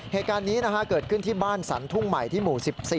เหตุการณ์นี้เกิดขึ้นที่บ้านสรรทุ่งใหม่ที่หมู่๑๔